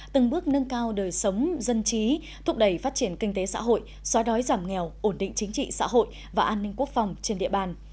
từng bước nâng cao đời sống dân trí thúc đẩy phát triển kinh tế xã hội xóa đói giảm nghèo ổn định chính trị xã hội và an ninh quốc phòng trên địa bàn